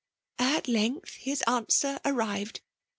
At length his answer arrived.